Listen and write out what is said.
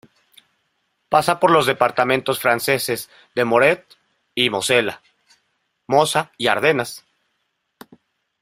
Pasa por los departamentos franceses de Meurthe y Mosela, Mosa y Ardenas.